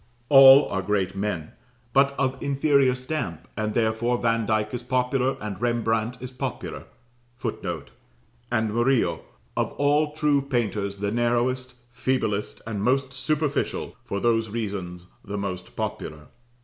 All are great men, but of inferior stamp, and therefore Vandyke is popular, and Rembrandt is popular, [Footnote: And Murillo, of all true painters the narrowest, feeblest, and most superficial, for those reasons the most popular.